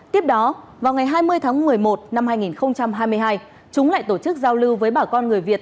tiếp đó vào ngày hai mươi tháng một mươi một năm hai nghìn hai mươi hai chúng lại tổ chức giao lưu với bà con người việt